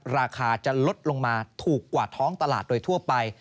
ราคาจะลดลงมาถูกกว่าท้องตลาดโดยทั่วไป